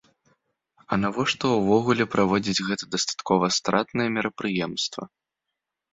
А навошта ўвогуле праводзіць гэта дастаткова стратнае мерапрыемства?